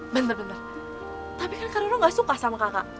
bener bener tapi kan karena udah gak suka sama kakak